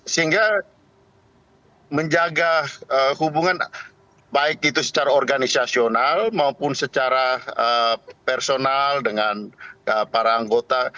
sehingga menjaga hubungan baik itu secara organisasional maupun secara personal dengan para anggota